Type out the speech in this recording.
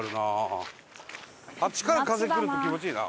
あっちから風来ると気持ちいいな。